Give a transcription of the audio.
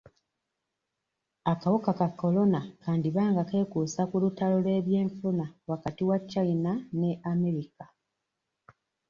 Akawuka ka Corona kandiba nga keekuusa ku lutalo lw'ebyenfuna wakati wa China ne America.